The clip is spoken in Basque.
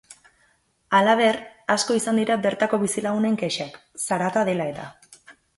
Halaber, asko izan dira bertako bizilagunen kexak, zarata dela-eta.